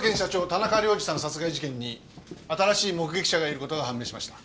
田中良次さん殺害事件に新しい目撃者がいる事が判明しました。